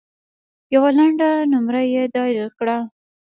یوه لنډه نمره یې ډایل کړه .